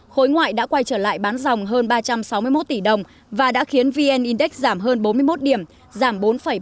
khối ngoại đã quay trở lại bán dòng hơn ba trăm sáu mươi một tỷ đồng và đã khiến vn index giảm hơn bốn mươi một điểm giảm bốn ba mươi